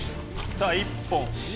さあ、１本。